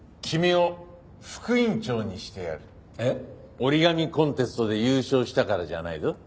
折り紙コンテストで優勝したからじゃないぞ。